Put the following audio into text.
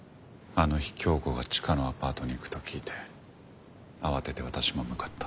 あの日響子がチカのアパートに行くと聞いて慌てて私も向かった。